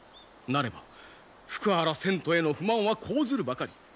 なれば福原遷都への不満は高ずるばかり。